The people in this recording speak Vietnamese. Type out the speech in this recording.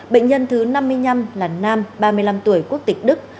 bệnh nhân thứ năm mươi năm là nam ba mươi năm tuổi quốc tịch đức